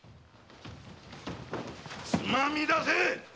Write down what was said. つまみ出せっ！